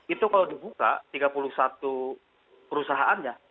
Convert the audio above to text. itu kalau dibuka tiga puluh satu perusahaannya